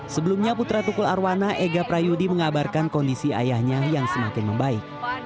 sebelumnya putra tukul arwana ega prayudi mengabarkan kondisi ayahnya yang semakin membaik